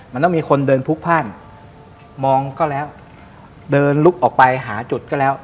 มันต้องมีคนเดินพลุกพ่านมองก็แล้วเดินลุกออกไปหาจุดก็แล้ว